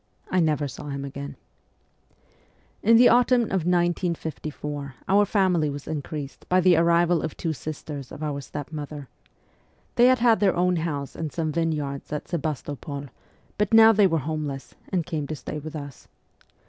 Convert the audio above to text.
I never saw him again. In the autumn of 1854 our family was increased by the arrival of two sisters of our stepmother. They had had their own house and some vineyards at Sebastopol, but now they were homeless, and came to stay with us.